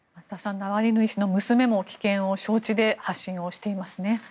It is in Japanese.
ナワリヌイ氏の娘も危険を承知で発信をしていますね。